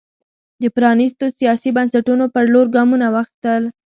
د پرانېستو سیاسي بنسټونو پر لور ګامونه واخیستل.